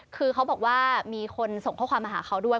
คือเขาบอกว่ามีคนส่งข้อความมาหาเขาด้วย